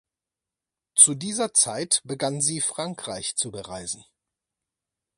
Zu dieser Zeit begann sie Frankreich zu bereisen.